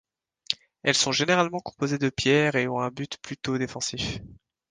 Elles sont généralement composées de pierre et ont un but plutôt défensif.